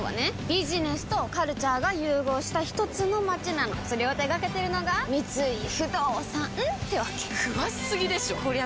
ビジネスとカルチャーが融合したひとつの街なのそれを手掛けてるのが三井不動産ってわけ詳しすぎでしょこりゃ